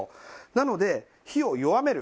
なので火を弱める。